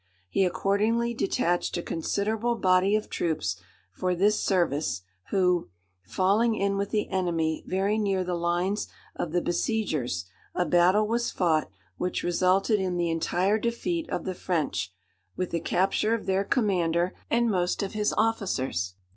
He accordingly detached a considerable body of troops for this service, who, falling in with the enemy very near the lines of the besiegers, a battle was fought, which resulted in the entire defeat of the French, with the capture of their commander, and most of his officers.